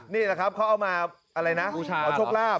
นี่แหละครับเขาเอามาเอาชกลาบ